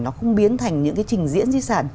nó không biến thành những trình diễn di sản